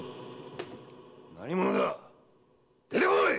何者だ出てこい！